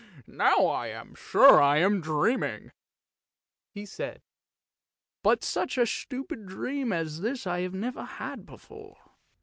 Now I am sure I am dreaming," he said; " but such a stupid dream as this I have never had before."